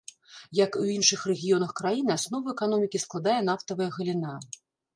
Як і ў іншых рэгіёнах краіны, аснову эканомікі складае нафтавая галіна.